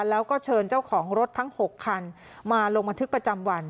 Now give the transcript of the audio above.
แล้วก็เชิญเจ้าของรถทั้ง๖คันมาลงบันทึกประจำวัน